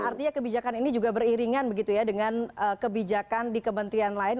artinya kebijakan ini juga beriringan begitu ya dengan kebijakan di kementerian lain